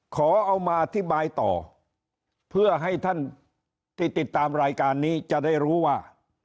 ขอเอามาอธิบายต่อเพื่อให้ท่านที่ติดตามรายการนี้จะได้รู้ว่า